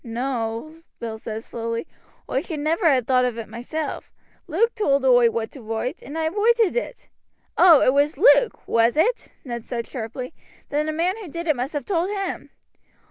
"No," Bill said slowly, "oi should never ha' thought of it myself; Luke told oi what to wroit, and I wroited it." "Oh, it was Luke! was it?" Ned said sharply. "Then the man who did it must have told him."